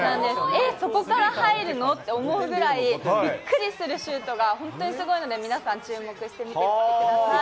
え、そこから入るの？って思うぐらい、びっくりするシュートが本当にすごいので、皆さん、注目して見てみてください。